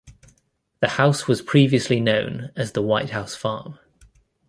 The house was previously known as The White House Farm.